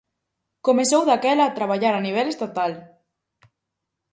Comezou daquela a traballar a nivel estatal.